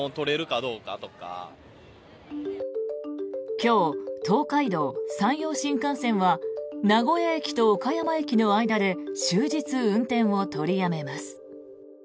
今日、東海道・山陽新幹線は名古屋駅と岡山駅の間で終日運転を取りやめます。